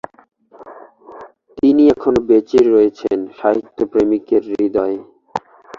তিনি এখনো বেচে রয়েছেন সাহিত্যপ্রেমিকের হৃদয়ে।